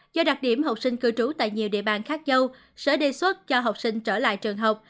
do đặc điểm học sinh cư trú tại nhiều địa bàn khác nhau sở đề xuất cho học sinh trở lại trường học